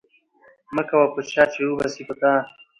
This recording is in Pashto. مه کوه په چا، چي وبه سي په تا